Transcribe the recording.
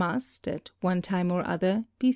must, at one time or other, be .